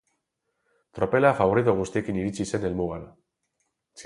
Tropela faborito guztiekin iritsi zen helmugara.